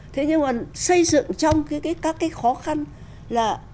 thế nhưng mà xây dựng trong các cái khó khăn là